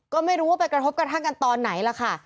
ก็ไม่รู้ว่าไปกระทบกระทั่งกันตอนไหนล่ะค่ะ